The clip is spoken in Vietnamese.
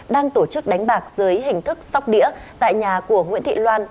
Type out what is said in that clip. đang tổ chức đánh bạc dưới hình thức sóc đĩa tại nhà của nguyễn thị loan